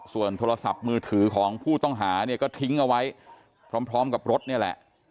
ส่วนโทรศัพท์มือถือของผู้ต้องหาเนี่ยก็ทิ้งเอาไว้พร้อมกับรถนี่แหละ